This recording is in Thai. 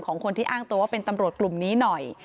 คนที่อ้างตัวว่าเป็นตำรวจกลุ่มนี้หน่อย